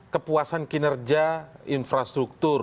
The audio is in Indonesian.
kepuasan kinerja infrastruktur